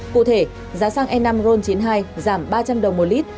cụ thể giá xăng e năm ron chín mươi hai giảm ba trăm linh đồng một lít